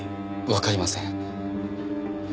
わかりません。